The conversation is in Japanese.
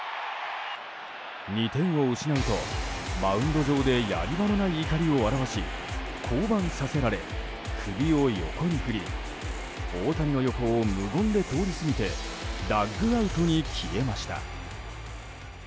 ２点を失うとマウンド上でやり場のない怒りを表し降板させられ、首を横に振り大谷の横を無言で通り過ぎてダッグアウトに消えました。